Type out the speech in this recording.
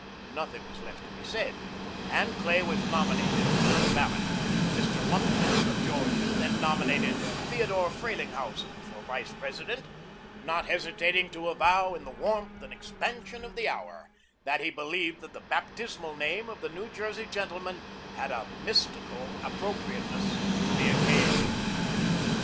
Nothing was left to be said, and Clay was nominated without a ballot; Mr. Lumpkin, of Georgia, then nominated Theodore Frelinghuysen for Vice President, not hesitating to avow, in the warmth and expansion of the hour, that he believed that the baptismal name of the New Jersey gentleman had a mystical appropriateness to the occasion.